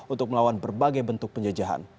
untuk melawan berbagai bentuk penjajahan